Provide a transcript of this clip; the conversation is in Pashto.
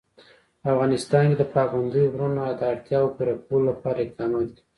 په افغانستان کې د پابندی غرونه د اړتیاوو پوره کولو لپاره اقدامات کېږي.